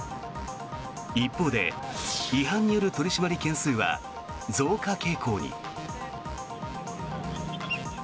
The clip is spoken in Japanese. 一方で違反による取り締まり件数は増加傾向に。